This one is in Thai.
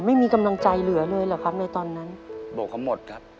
ไม่มีกำลังใจเหลือเลยเหรอครับในตอนนั้นโบกเขาหมดครับ